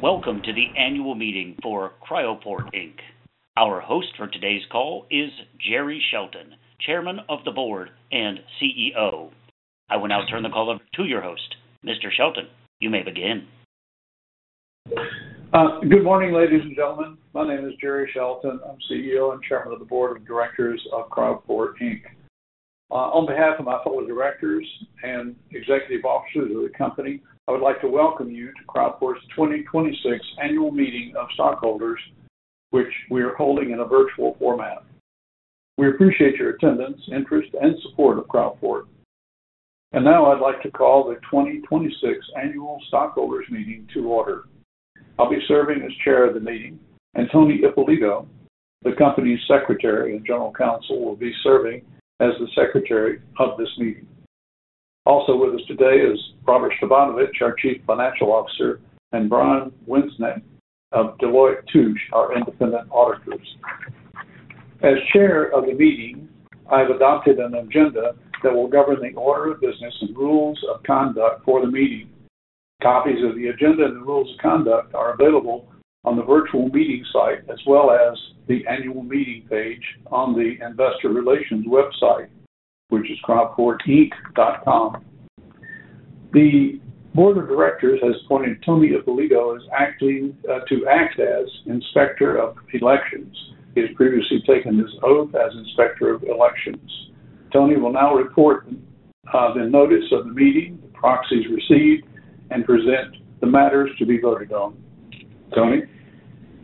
Welcome to the annual meeting for Cryoport Inc. Our host for today's call is Jerry Shelton, Chairman of the Board and CEO. I will now turn the call over to your host. Mr. Shelton, you may begin. Good morning, ladies and gentlemen. My name is Jerry Shelton. I'm CEO and Chairman of the Board of Directors of Cryoport Inc. On behalf of my fellow directors and executive officers of the company, I would like to welcome you to Cryoport's 2026 Annual Meeting of Stockholders, which we are holding in a virtual format. We appreciate your attendance, interest, and support of Cryoport. Now I'd like to call the 2026 annual stockholders meeting to order. I'll be serving as Chair of the meeting, and Tony Ippolito, the company's Secretary and General Counsel, will be serving as the Secretary of this meeting. Also with us today is Robert Stefanovich, our Chief Financial Officer, and Brian Whisnant of Deloitte & Touche, our independent auditors. As Chair of the meeting, I've adopted an agenda that will govern the order of business and rules of conduct for the meeting. Copies of the agenda and the rules of conduct are available on the virtual meeting site as well as the annual meeting page on the investor relations website, which is cryoportinc.com. The board of directors has appointed Tony Ippolito to act as Inspector of Elections. He has previously taken his oath as Inspector of Elections. Tony will now report the notice of the meeting, the proxies received, and present the matters to be voted on. Tony?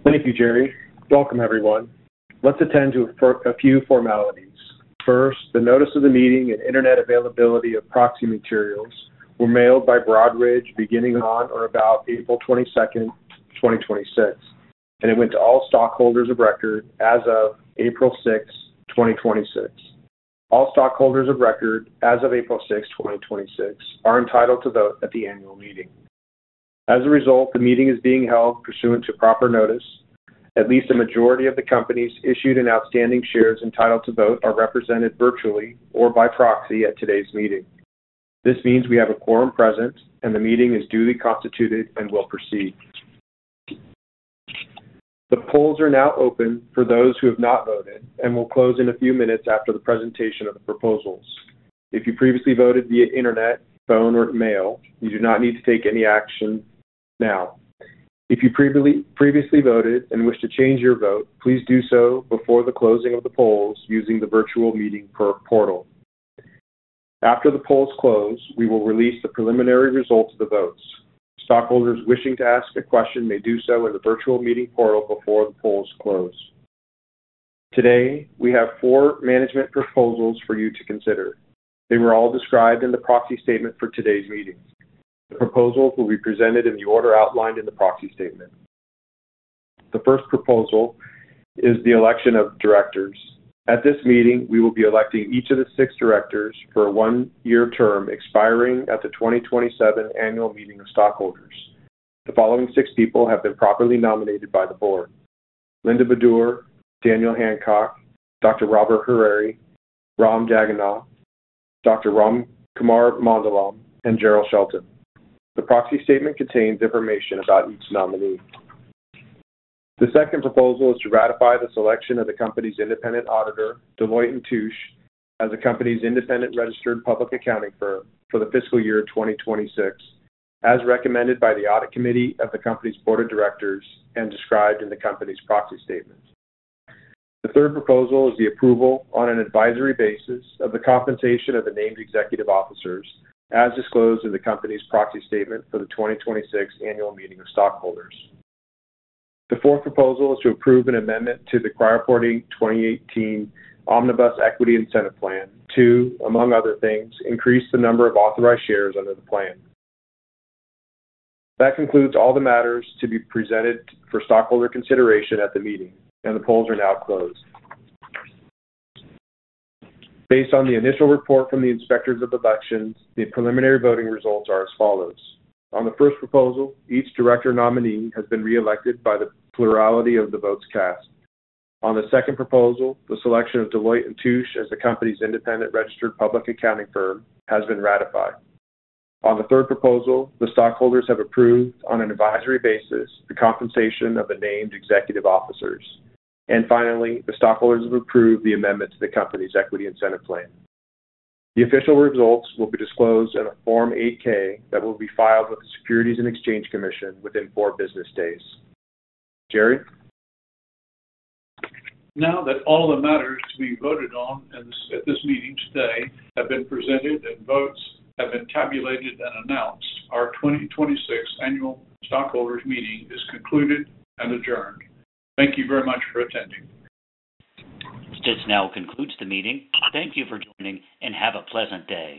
Thank you, Jerry. Welcome, everyone. Let's attend to a few formalities. First, the notice of the meeting and internet availability of proxy materials were mailed by Broadridge beginning on or about April 22nd, 2026, and it went to all stockholders of record as of April 6, 2026. All stockholders of record as of April 6, 2026, are entitled to vote at the annual meeting. As a result, the meeting is being held pursuant to proper notice. At least a majority of the company's issued and outstanding shares entitled to vote are represented virtually or by proxy at today's meeting. This means we have a quorum present, and the meeting is duly constituted and will proceed. The polls are now open for those who have not voted and will close in a few minutes after the presentation of the proposals. If you previously voted via internet, phone, or mail, you do not need to take any action now. If you previously voted and wish to change your vote, please do so before the closing of the polls using the virtual meeting portal. After the polls close, we will release the preliminary results of the votes. Stockholders wishing to ask a question may do so in the virtual meeting portal before the polls close. Today, we have four management proposals for you to consider. They were all described in the proxy statement for today's meeting. The proposals will be presented in the order outlined in the proxy statement. The first proposal is the election of directors. At this meeting, we will be electing each of the six directors for a one-year term expiring at the 2027 Annual Meeting of Stockholders. The following six people have been properly nominated by the board: Linda Baddour, Daniel Hancock, Dr. Robert Hariri, Ram Jagannath, Dr. Ramkumar Mandalam, and Jerrell Shelton. The proxy statement contains information about each nominee. The second proposal is to ratify the selection of the company's independent auditor, Deloitte & Touche, as the company's independent registered public accounting firm for the fiscal year 2026, as recommended by the audit committee of the company's board of directors and described in the company's proxy statement. The third proposal is the approval on an advisory basis of the compensation of the named executive officers as disclosed in the company's proxy statement for the 2026 Annual Meeting of Stockholders. The fourth proposal is to approve an amendment to the Cryoport, Inc 2018 Omnibus Equity Incentive Plan to, among other things, increase the number of authorized shares under the plan. That concludes all the matters to be presented for stockholder consideration at the meeting, and the polls are now closed. Based on the initial report from the Inspectors of Elections, the preliminary voting results are as follows. On the first proposal, each director nominee has been reelected by the plurality of the votes cast. On the second proposal, the selection of Deloitte & Touche as the company's independent registered public accounting firm has been ratified. On the third proposal, the stockholders have approved, on an advisory basis, the compensation of the named executive officers. Finally, the stockholders have approved the amendment to the company's equity incentive plan. The official results will be disclosed in a Form 8-K that will be filed with the Securities and Exchange Commission within four business days. Jerry? Now that all the matters to be voted on at this meeting today have been presented and votes have been tabulated and announced, our 2026 annual stockholders meeting is concluded and adjourned. Thank you very much for attending. This now concludes the meeting. Thank you for joining, and have a pleasant day.